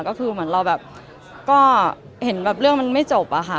ก็คือเหมือนเราแบบก็เห็นแบบเรื่องมันไม่จบอะค่ะ